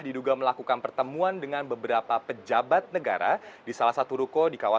selain itu nama pemimpin badan anggaran pemimpin komisi ii